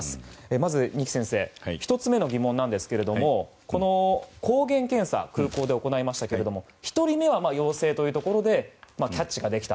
まず二木先生１つ目の疑問なんですけれどもこの抗原検査空港で行いましたが１人目は陽性というところでキャッチができた。